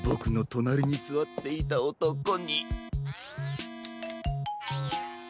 となりにすわっていたおとこか！